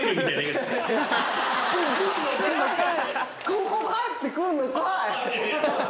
ここ返ってくんのかい！